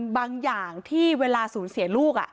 บางอย่างที่เวลาสูญเสียลูก